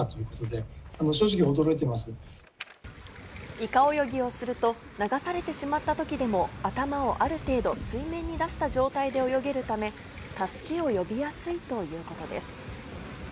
イカ泳ぎをすると流されてしまったときでも頭をある程度、水面に出した状態で泳げるため、助けを呼びやすいということです。